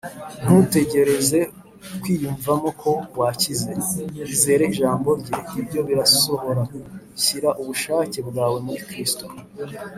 Ntutegereze kwiyumvamo ko wakize. Izere ijambo Rye, ibyo birasohora. Shyira ubushake bwawe muri Kristo